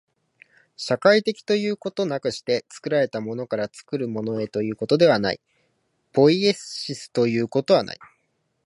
社会的ということなくして、作られたものから作るものへということはない、ポイエシスということはない。